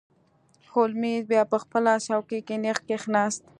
هولمز بیا په خپله څوکۍ کې نیغ کښیناست.